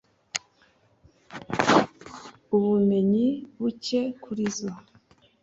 ubumenyi buke kuri zo